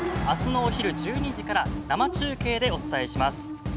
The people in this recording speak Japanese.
あすのお昼１２時から生中継でお伝えします。